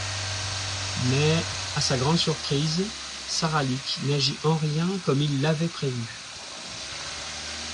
Mais, à sa grande surprise, Sara Leek n'agit en rien comme il l'avait prévu.